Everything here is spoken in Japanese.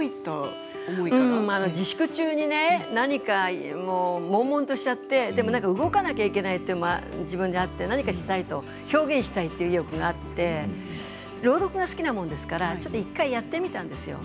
自粛中になにかもんもんとしちゃって動かなきゃいけないというのが自分であって、表現したいという意欲があって朗読が好きなものですからちょっと１回やってみたんですよ